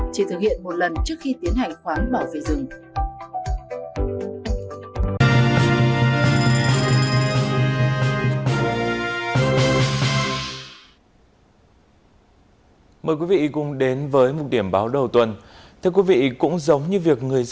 chỉ thực hiện một lần trước khi tiến hành khoán bảo vệ rừng